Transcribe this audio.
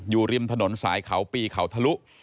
อยู่ริมถนนสายเขาปีเขาทะลุ